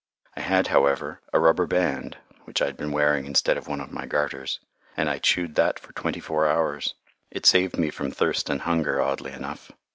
I had, however, a rubber band which I had been wearing instead of one of my garters, and I chewed that for twenty four hours. It saved me from thirst and hunger, oddly enough.